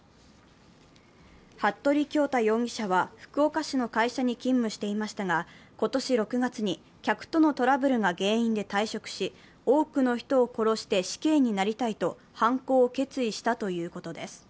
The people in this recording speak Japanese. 服部恭太容疑者は福岡市の会社に勤務していましたが今年６月に客とのトラブルが原因で退職し多くの人を殺して死刑になりたいと犯行を決意したということです。